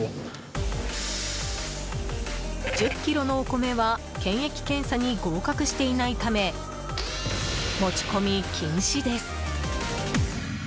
１０ｋｇのお米は検疫検査に合格していないため持ち込み禁止です。